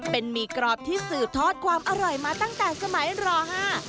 เป็นหมี่กรอบที่สืบทอดความอร่อยมาตั้งแต่สมัยร่อห้า